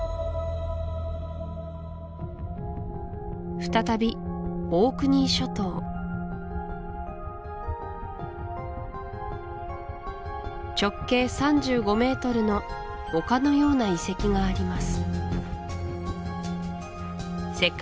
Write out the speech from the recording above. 再びオークニー諸島直径３５ｍの丘のような遺跡があります